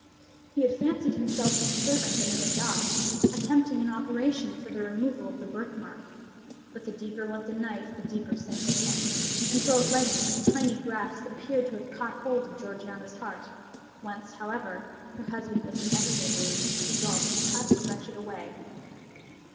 He had fancied himself with his servant Aminadab, attempting an operation for the removal of the birthmark; but the deeper went the knife, the deeper sank the hand, until at length its tiny grasp appeared to have caught hold of Georgiana's heart; whence, however, her husband was inexorably resolved to cut or wrench it away.